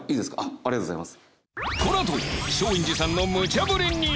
ありがとうございます。